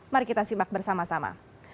mari kita simak bersama sama